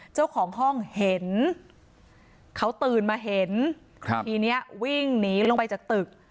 เจ้าของห้องเห็นเขาตื่นมาเห็นครับทีนี้วิ่งหนีลงไปจากตึก